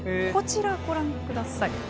こちら、ご覧ください。